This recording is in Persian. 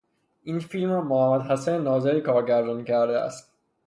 این فیلم را محمد حسن ناظری کارگردانی کرده است.